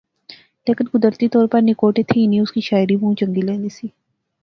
لیکن قدرتی طور پر نکوٹے تھی ہنی اس کی شاعری بہوں چنگی لغنی سی